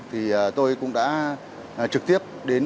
thì tôi cũng đã trực tiếp đến